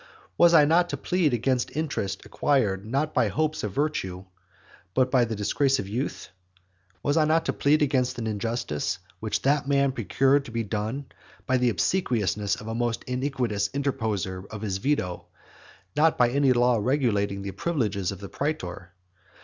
Was I not to plead against interest acquired not by hopes of virtue, but by the disgrace of youth? Was I not to plead against an injustice which that man procured to be done by the obsequiousness of a most iniquitous interposer of his veto, not by any law regulating the privileges of the praetor?